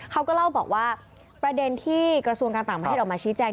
เขาก็เล่าบอกว่าประเด็นที่กระทรวงการต่างประเทศออกมาชี้แจง